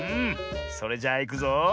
それじゃあいくぞ。